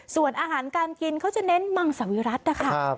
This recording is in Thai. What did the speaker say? ส่วนอาหารการกินเขาจะเน้นมังสวิรัตินะคะ